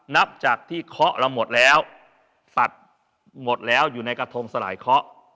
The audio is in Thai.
นับจากที่เคาะเราหมดแล้วสัตว์หมดแล้วอยู่ในกระทงสลายเคาะ